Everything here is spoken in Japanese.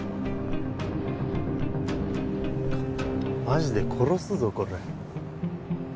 マジで殺すぞコラ。